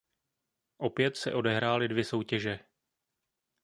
Opět se odehrály dvě soutěže.